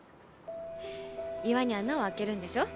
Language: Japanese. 岩に穴を開けるんでしょ？